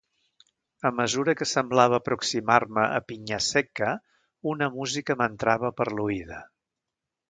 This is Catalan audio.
A mesura que semblava aproximar-me a Pignasecca una música m’entrava per l’oïda...